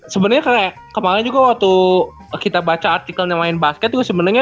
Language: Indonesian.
sebenernya kayak kemarin juga waktu kita baca artikelnya main basket tuh sebenernya